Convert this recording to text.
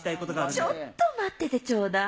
ちょっと待っててちょうだい。